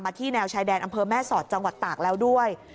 ที่แนวชายแดนอำเภอแม่สอดจังหวัดตากแล้วด้วย